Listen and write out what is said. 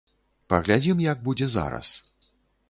Паглядзім як будзе зараз.